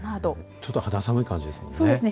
ちょっと肌寒い感じですもんね。